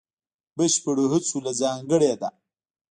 بشپړو هڅو له ځانګړې ده.